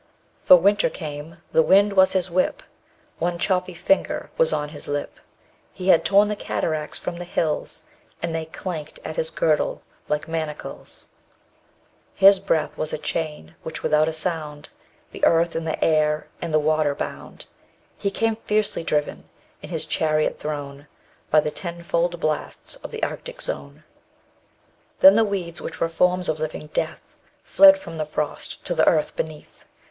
_85 For Winter came: the wind was his whip: One choppy finger was on his lip: He had torn the cataracts from the hills And they clanked at his girdle like manacles; His breath was a chain which without a sound _90 The earth, and the air, and the water bound; He came, fiercely driven, in his chariot throne By the tenfold blasts of the Arctic zone. Then the weeds which were forms of living death Fled from the frost to the earth beneath.